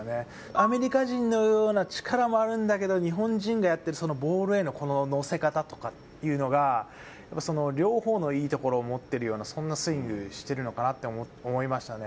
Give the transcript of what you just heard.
アメリカ人のような力もあるんだけど日本人であってのボールののせ方というのが両方のいいところを持っているようなスイングをしているのかなと思いましたね。